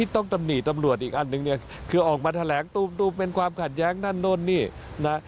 ตำหนิตำรวจอีกอันหนึ่งเนี่ยคือออกมาแถลงตูมเป็นความขัดแย้งนั่นโน่นนี่นะ